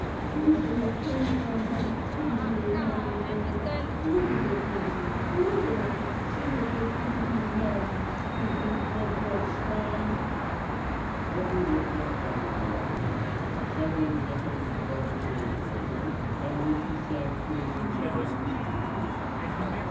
These are your friends round you, these 'ere men and women. Look at their faces, look at 'em, see what they think of you now; you stinkin', low bred swine." Telford looked on the point of collapse. Someone gently propelled a chair towards him, on which he sank gazing round him stupidly.